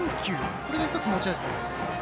これが１つ持ち味です。